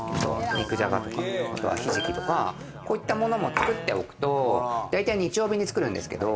肉じゃがとか、ひじきとか、こういったものも作っておくと大体、日曜日に作るんですけど。